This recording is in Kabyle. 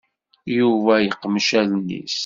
Yuba yeqmec allen-is.